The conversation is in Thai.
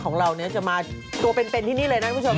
ของเราเนี่ยที่จะมาตัวเป็นที่นี่เลยนะทุกผู้ชม